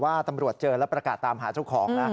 ตำรวจเจอแล้วประกาศตามหาเจ้าของนะ